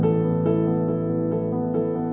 dari ru down